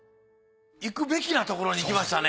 行くべきなところに行きましたね。